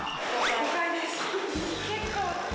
５階です。